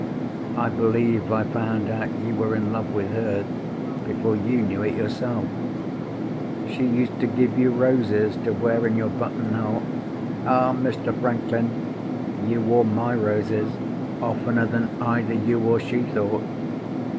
I believe I found out you were in love with her, before you knew it yourself. She used to give you roses to wear in your button hole. Ah, Mr. Franklin, you wore my roses oftener than either you or she thought!